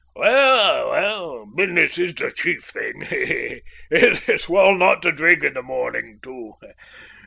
"Well, well, business is the chief thing. It's well not to drink in the morning, too.